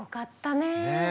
ねえ。